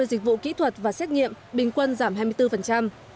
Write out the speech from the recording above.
ba mươi dịch vụ kỹ thuật và xét nghiệm bình quân giảm hai mươi bốn